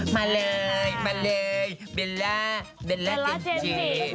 มาเลยมาเลยเบลล่าเบลล่าเจนจี